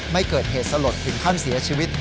ไม่เกิดเหตุสลดถึงขั้นเสียชีวิต